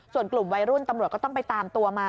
ส่วนกลุ่มวัยรุ่นตำรวจก็ต้องไปตามตัวมา